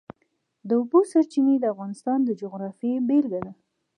د اوبو سرچینې د افغانستان د جغرافیې بېلګه ده.